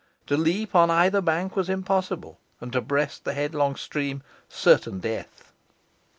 To leap on either bank was impossible, and to breast the headlong stream certain death.